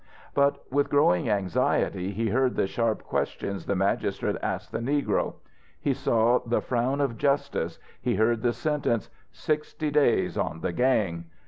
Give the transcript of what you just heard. But with growing anxiety he heard the sharp questions the magistrate asked the negro; he saw the frown of justice; he heard the sentence "sixty days on the gang."